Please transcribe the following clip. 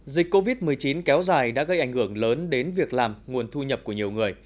dịch covid một mươi chín kéo dài đã gây ảnh hưởng lớn đến việc làm nguồn thu nhập của nhiều người